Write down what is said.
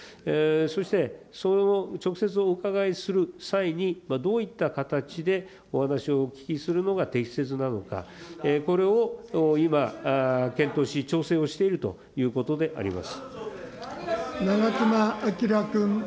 そして直接お伺いする際に、どういった形でお話をお聞きするのが適切なのか、これを今、検討し、調整をしているという長妻昭君。